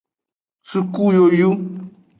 Suku yoyu.